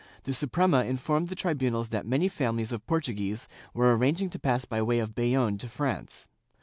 The Suprema informed the tribunals that many families of Portuguese were arranging to pass by way of Bayonne to France.